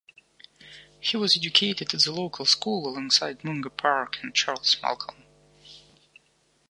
He was educated at the local school alongside Mungo Park and Charles Malcolm.